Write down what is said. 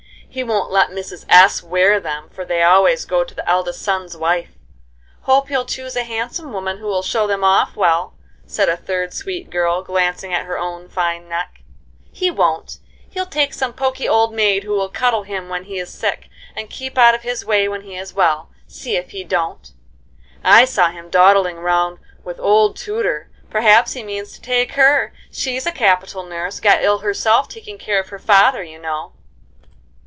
He won't let Mrs. S. wear them, for they always go to the eldest son's wife. Hope he'll choose a handsome woman who will show them off well," said a third sweet girl, glancing at her own fine neck. "He won't; he'll take some poky old maid who will cuddle him when he is sick, and keep out of his way when he is well. See if he don't." "I saw him dawdling round with old Tudor, perhaps he means to take her: she's a capital nurse, got ill herself taking care of her father, you know."